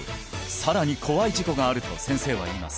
さらに怖い事故があると先生は言います